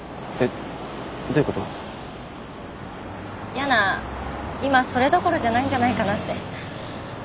ヤナ今それどころじゃないんじゃないかなって。